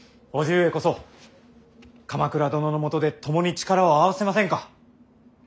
叔父上こそ鎌倉殿のもとで共に力を合わせませんか。